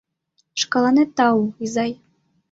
Шкаланет тау, изай!..